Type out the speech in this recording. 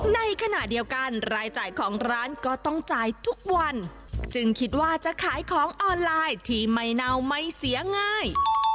ในขณะเดียวกันรายจ่ายของร้านก็ต้องจ่ายทุกวันจึงคิดว่าจะขายของออนไลน์ที่ไม่เน่าไม่เสียง่าย